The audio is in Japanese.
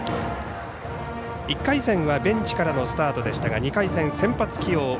１回戦はベンチからのスタートでしたが２回戦、先発起用。